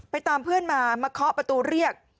ตามเพื่อนมามาเคาะประตูเรียก